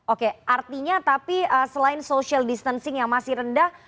oke artinya tapi selain social distancing yang masih rendah